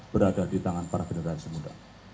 berada di tangan para generasi muda